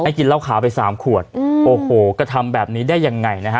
กินเหล้าขาวไปสามขวดอืมโอ้โหกระทำแบบนี้ได้ยังไงนะฮะ